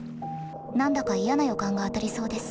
何だか嫌な予感が当たりそうです。